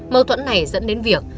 mâu thuẫn này dẫn đến việc